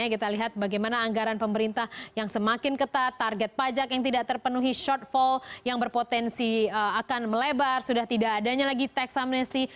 kita lihat bagaimana anggaran pemerintah yang semakin ketat target pajak yang tidak terpenuhi shortfall yang berpotensi akan melebar sudah tidak adanya lagi tax amnesty